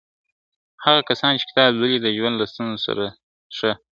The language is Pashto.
هغه کسان چي کتاب لولي د ژوند له ستونزو سره ښه !.